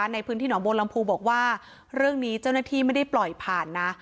ในพื้นที่หนองบัวลำพูบอกว่าเรื่องนี้เจ้าหน้าที่ไม่ได้ปล่อยผ่านนะ